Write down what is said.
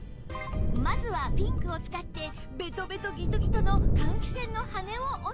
まずはピンクを使ってベトベトギトギトの換気扇の羽根をお掃除